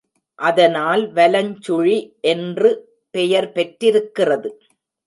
அதனால் வலஞ்சுழி என்று பெயர் பெற்றிருக்கிறது.